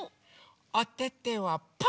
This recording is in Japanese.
おててはパー！